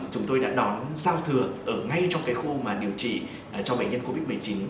chúng tôi đã đón giao thừa ở ngay trong cái khu điều trị cho bệnh nhân covid một mươi chín